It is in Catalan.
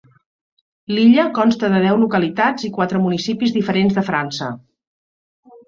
L'illa consta de deu localitats i quatre municipis diferents de França.